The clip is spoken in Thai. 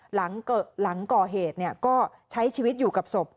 หลังก่อเหตุก็ใช้ชีวิตอยู่กับศพ